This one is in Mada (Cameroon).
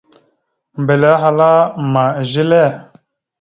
Mbelle ahala: « Ma zelle? ».